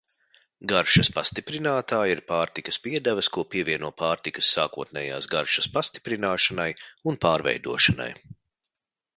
Garšas pastiprinātāji ir pārtikas piedevas, ko pievieno pārtikas sākotnējās garšas pastiprināšanai un pārveidošanai.